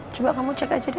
coba kamu cek aja deh